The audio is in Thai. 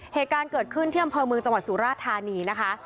เหตุการณ์เกิดขึ้นที่อำเภอเมืองจังหวัดสุราธานีนะคะ